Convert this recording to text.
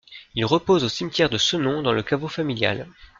Il repose au cimetière de Cenon dans le caveau familial.